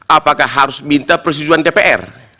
apakah harus minta persetujuan dpr